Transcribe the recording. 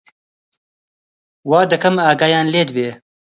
وا دەکەم ئاگایان لێت بێ